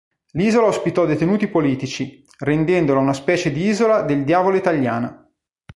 L'isola ospitò detenuti politici, rendendola una specie di Isola del Diavolo italiana.